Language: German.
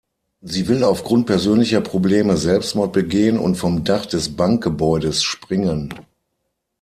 Sie will aufgrund persönlicher Probleme Selbstmord begehen und vom Dach des Bankgebäudes springen.